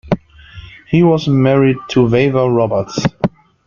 He was married to Wava Roberts.